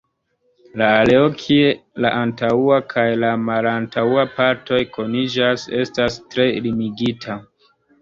La areo kie la antaŭa kaj la malantaŭa partoj kuniĝas estas tre limigita.